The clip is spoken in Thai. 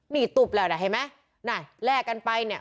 นี่ตุ๊บแล้วนะเห็นไหมน่ะแลกกันไปเนี่ย